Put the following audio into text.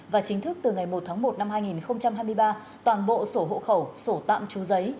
và chính thức từ ngày một tháng một năm hai nghìn hai mươi ba toàn bộ sổ hộ khẩu sổ tạm trú giấy